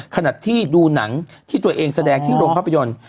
ขณะที่ดูหนังที่ตัวเองแสดงที่โรงภาพยนตร์